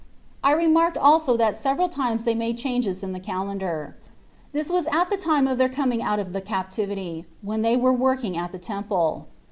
I remarked also that several times they made changes in the calendar. This was at the time of their coming out of the captivity, when they were working at the Temple.